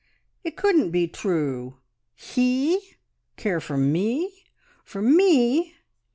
It couldn't be true. ... He care for me! For Me!